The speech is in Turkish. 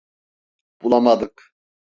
Bulamadık.